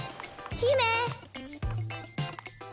姫？